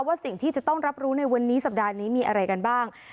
สิ่งที่จะต้องรับรู้ในวันนี้สัปดาห์นี้มีอะไรกันบ้าง